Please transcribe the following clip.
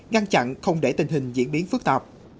ngăn chặn không để tình hình diễn biến phức tạp